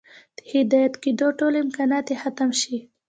د هدايت كېدو ټول امكانات ئې ختم شي